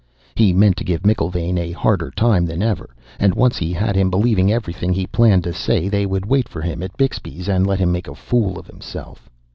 He meant to give McIlvaine a harder time than ever, and once he had him believing everything he planned to say, they would wait for him at Bixby's and let him make a fool of himself.